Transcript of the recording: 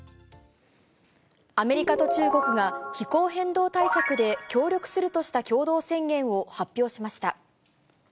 アメリカと中国が気候変動対策で協力するとした共同宣言を発表しました。